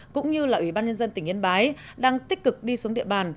cũng như là ủy ban nhân dân tỉnh yên bái đang tích cực đi xuống địa bàn